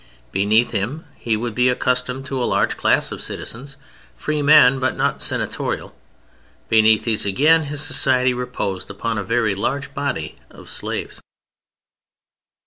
Beneath him he would be accustomed to a large class of citizens, free men but not senatorial; beneath these again his society reposed upon a very large body of slaves.